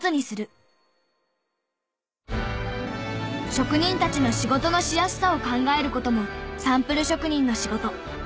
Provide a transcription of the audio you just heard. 職人たちの仕事のしやすさを考える事もサンプル職人の仕事。